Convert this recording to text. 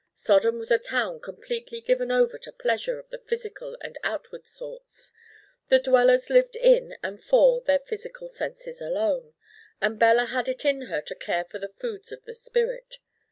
Sodom was a town completely given over to pleasure of the physical and outward sorts. The dwellers lived in and for their physical senses alone. And Bella had it in her to care for the foods of the spirit.